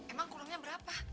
emang kurangnya berapa